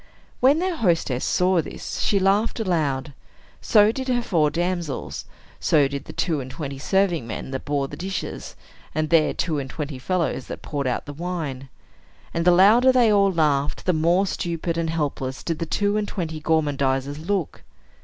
When their hostess saw this, she laughed aloud; so did her four damsels; so did the two and twenty serving men that bore the dishes, and their two and twenty fellows that poured out the wine. And the louder they all laughed, the more stupid and helpless did the two and twenty gormandizers look.